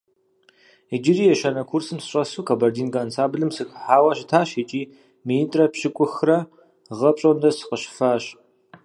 Иджыри ещанэ курсым сыщӀэсу, «Кабардинка» ансамблым сыхыхьауэ щытащ икӀи минитӀрэ пщӀыкӀухрэ гъэ пщӀондэ сыкъыщыфащ.